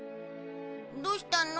どうしたの？